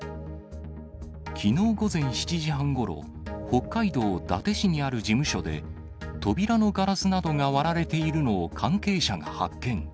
きのう午前７時半ごろ、北海道伊達市にある事務所で、扉のガラスなどが割られているのを関係者が発見。